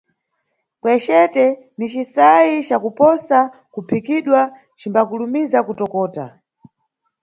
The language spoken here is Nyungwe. Kwecete ni cisayi cakuposa kuphikidwa, cimbakulimiza kutokota.